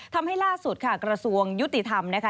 ทำให้ล่าสุดค่ะกระทรวงยุติธรรมนะคะ